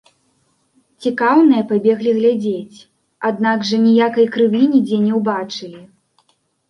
Цікаўныя пабеглі глядзець, аднак жа ніякай крыві нідзе не ўбачылі.